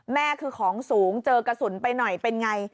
แม่คือของสูงเจอกระสุนไปหน่อยเป็นไง